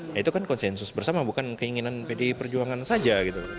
ya itu kan konsensus bersama bukan keinginan pdi perjuangan saja gitu